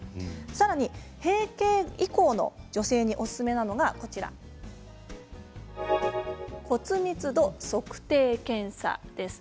さらに閉経以降の女性におすすめなのが骨密度測定検査です。